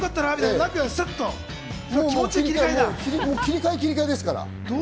切り替え切り換えですから。